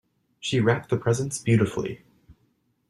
She wrapped the presents beautifully.